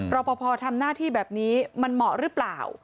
รอปภทำหน้าที่แบบนี้มันเหมาะหรือเปล่า